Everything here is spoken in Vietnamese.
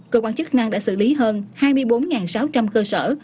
cơ quan chức năng đã xử lý hơn hai mươi bốn sáu trăm linh cơ sở